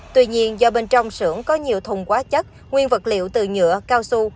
tuy nhiên do bên trong xưởng có nhiều thùng quá chất nguyên vật liệu từ nhựa cao su